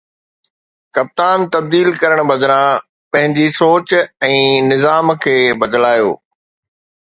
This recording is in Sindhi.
ڪپتان تبديل ڪرڻ بدران پنهنجي سوچ ۽ نظام کي بدلايو